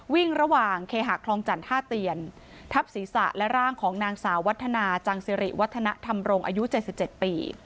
วิ่งระหว่างเคหะคลองจันทร์ท่าเตียนทับศีรษะและร่างของนางสาววัฒนาจังสิริวัฒนธรรมรงค์อายุ๗๗ปี